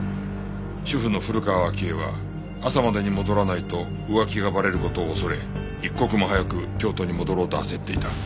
主婦の古河章江は朝までに戻らないと浮気がバレる事を恐れ一刻も早く京都に戻ろうと焦っていた。